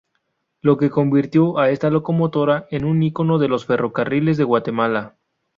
Lo que convirtió a esta locomotora en un icono de los Ferrocarriles de Guatemala.